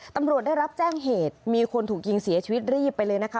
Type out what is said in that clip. ตำรวจได้รับแจ้งเหตุมีคนถูกยิงเสียชีวิตรีบไปเลยนะคะ